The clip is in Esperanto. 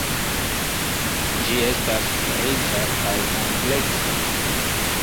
Ĝi estis riĉa kaj ampleksa.